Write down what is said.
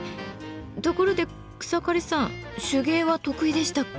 ところで草刈さん手芸は得意でしたっけ？